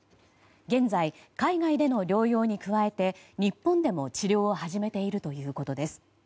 現在、海外での療養に加えて日本でも治療を始めているということです。